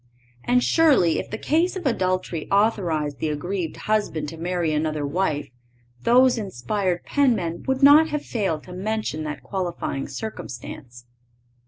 And surely, if the case of adultery authorized the aggrieved husband to marry another wife, those inspired penmen would not have failed to mention that qualifying circumstance.